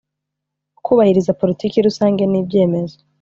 Kubahiriza politiki rusange n ibyemezo